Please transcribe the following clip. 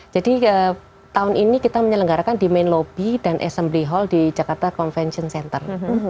jadi tahun ini kita menyelenggarakan di main lobby dan assembly hall di jakarta convention center